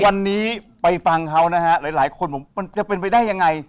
วันนี้ไปฟังเขานะฮะหลายคนบอกมันจะเป็นไปได้ยังไง